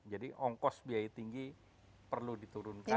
jadi ongkos biaya tinggi perlu diturunkan